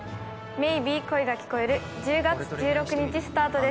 「Ｍａｙｂｅ恋が聴こえる」１０月１６日スタートです